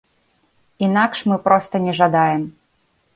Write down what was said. Інакш мы проста не жадаем.